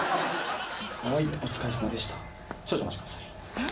えっ？